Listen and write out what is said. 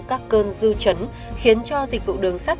các cơn dư chấn khiến cho dịch vụ đường sắt